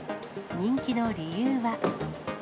人気の理由は。